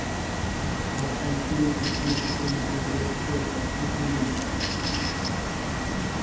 The sanctuary is the principal interior space of the building.